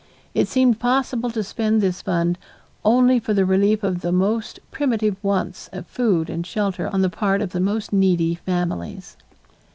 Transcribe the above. It seemed possible to spend this fund only for the relief of the most primitive wants of food and shelter on the part of the most needy families.